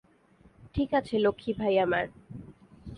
ঠিক আছে, লক্ষী ভাই আমার।